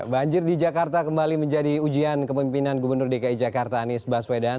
banjir di jakarta kembali menjadi ujian kepemimpinan gubernur dki jakarta anies baswedan